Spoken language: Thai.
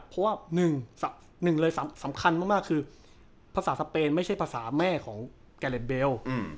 เพราะว่าหนึ่งเลยสำคัญมากคือภาษาสเปนไม่ใช่ภาษาแม่ของแกเลสเบล